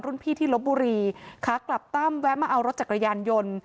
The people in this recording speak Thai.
พี่ที่ลบบุรีขากลับตั้มแวะมาเอารถจักรยานยนต์